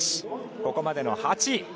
ここまでの８位。